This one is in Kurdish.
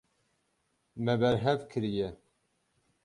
Me berhev kiriye.